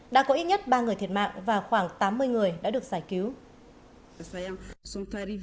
đã có ít nhất ba người thiệt mạng và khoảng tám mươi người đã được giải cứu